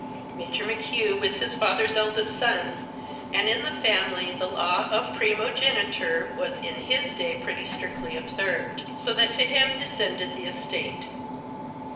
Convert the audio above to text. Major McHugh was his father's eldest son, and in the family the law of primogeniture was in his day pretty strictly observed, so that to him descended the estate.